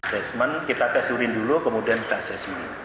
asesmen kita tes urin dulu kemudian kita asesmen